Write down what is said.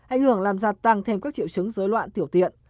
ảnh hưởng làm gia tăng thêm các triệu chứng dối loạn tiểu tiện